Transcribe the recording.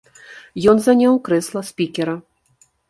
Ён заняў крэсла спікера.